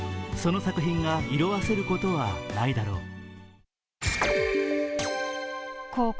その作品が色あせることはないだろう。